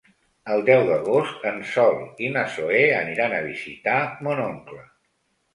El deu d'agost en Sol i na Zoè aniran a visitar mon oncle.